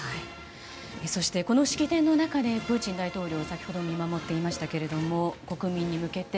そしてこの式典の中でプーチン大統領先ほど見守っていましたけれども国民に向けて。